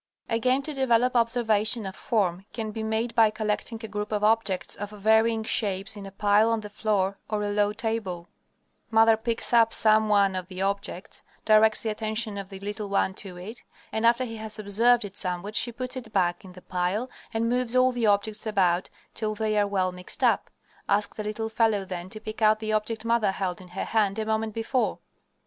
A game to develop observation of form can be made by collecting a group of objects of varying shapes in a pile on the floor or a low table; mother picks up some one of the objects, directs the attention of the little one to it, and after he has observed it somewhat she puts it back in the pile and moves all the objects about till they are well mixed up. Ask the little fellow then to pick out the object mother held in her hand a moment before.